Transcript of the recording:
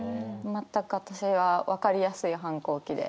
全く私は分かりやすい反抗期で。